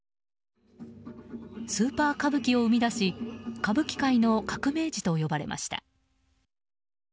「スーパー歌舞伎」を生み出し歌舞伎界の革命児と呼ばれました。